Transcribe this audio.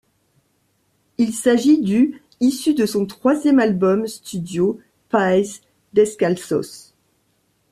Il s'agit du issu de son troisième album studio Pies Descalzos.